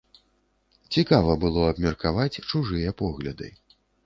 Цікава было абмеркаваць чужыя погляды.